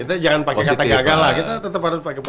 kita jangan pakai kata gagal lah kita tetap harus pakai